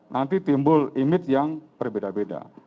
nanti timbul image yang berbeda beda